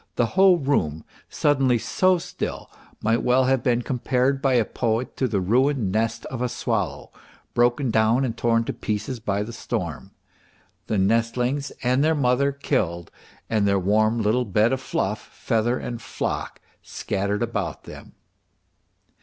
The whole room, suddenly so still, might well have been compared by a poet to the ruined nest of a swallow, broken down and torn to pieces by the storm, the nestlings and their mother killed, and their warm little bed of fluff, feather and flock scattered about them.